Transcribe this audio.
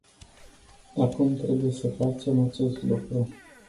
Acum trebuie să facem acest lucru.